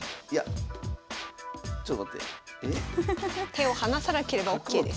手を離さなければＯＫです。